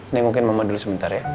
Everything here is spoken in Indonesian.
nengokin mama dulu sebentar ya